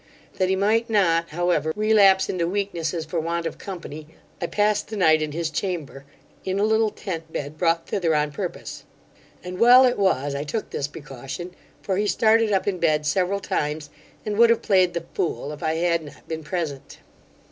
That he might not, however, relapse into weaknesses for want of company, I passed the night in his chamber, in a little tent bed brought thither on purpose; and well it was I took this precaution, for he started up in bed several times, and would have played the fool, if I had not been present.